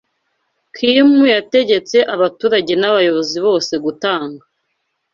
Kimu yategetse abaturage n’abayobozi bose gutanga